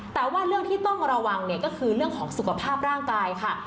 แต่ว่าเรื่องที่ต้องระวังเนี่ยก็คือเรื่องของสุขภาพร่างกายค่ะ